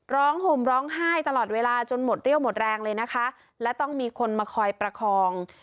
ห่มร้องไห้ตลอดเวลาจนหมดเรี่ยวหมดแรงเลยนะคะและต้องมีคนมาคอยประคอง